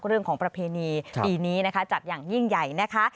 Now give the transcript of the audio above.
เรื่องของประเพณีปีนี้นะคะจัดอย่างยิ่งใหญ่นะคะ